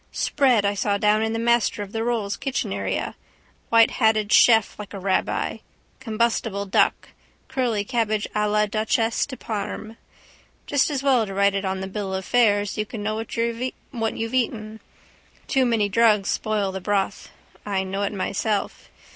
Spread I saw down in the Master of the Rolls' kitchen area. Whitehatted chef like a rabbi. Combustible duck. Curly cabbage à la duchesse de Parme. Just as well to write it on the bill of fare so you can know what you've eaten. Too many drugs spoil the broth. I know it myself.